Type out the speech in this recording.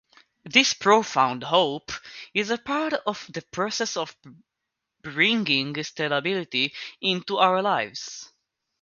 This profound hope...is part of the process of bringing stability into our lives.